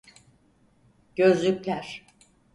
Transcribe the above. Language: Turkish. Gözlükler.